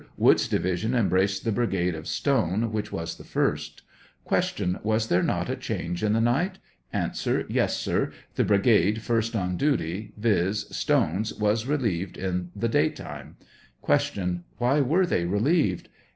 Woods' division embraced the brigade of Stone, which was the first. Q. Was there not a change in the night ? A. Yes, sir ; the brigade first on duty, viz : Stone's, was relieved in the day time. Q. Why were they relieved